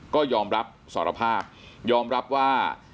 ก็ยอมรับสารภาพยอมรับว่า